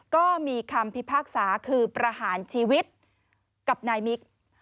ก็มีคำพิพากษาคือประหารชีวิตกับนายมิก